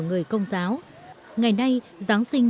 người công giáo ngày nay giáng sinh